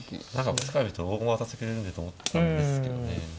こっちから見ると大駒渡してくれるんでと思ったんですけどね。